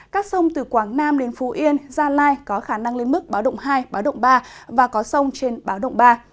các sông từ quảng nam đến phú yên gia lai có khả năng lên mức báo động hai báo động ba và có sông trên báo động ba